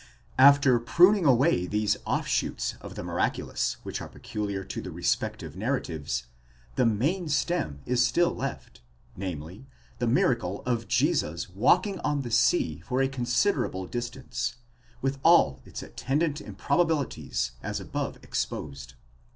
After pruning away these offshoots of the miraculous which are peculiar to the respective narratives, the main stem is still left, namely, the miracle of Jesus walking on the sea for a considerable distance, with all its attendant improbabilities as above exposed.